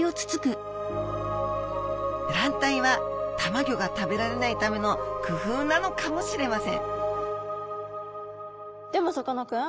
卵帯はたまギョが食べられないためのくふうなのかもしれませんでもさかなクン。